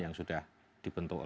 yang sudah dibentuk oleh